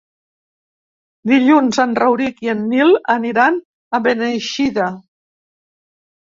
Dilluns en Rauric i en Nil aniran a Beneixida.